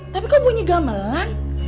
tapi kok bunyi gemelan